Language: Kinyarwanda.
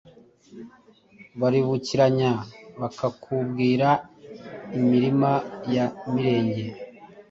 Baribukiranya bakakubwira imirima ya mirenge